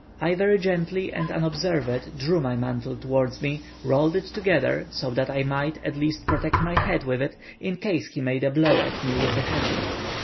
I very gently and unobserved drew my mantle towards me, rolled it together, so that I might, at least, protect my head with it, in case he made a blow at me with the hatchet.